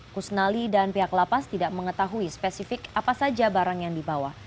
kusnali dan pihak lapas tidak mengetahui spesifik apa saja barang yang dibawa